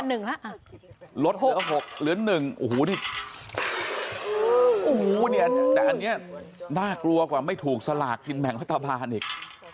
อันหนึ่งแล้วอ่าลดเหลือหกเหลือหนึ่งโอ้โหดิโอ้โหแต่อันเนี้ยน่ากลวกว่าไม่ถูกสลากกินแหม่งพัฒนภาพภาณอีก